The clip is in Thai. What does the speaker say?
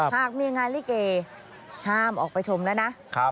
หากมีงานลิเกย์ห้ามออกไปชมนะ